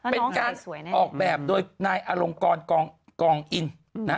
เป็นการออกแบบโดยนายอลงกรกองอินนะ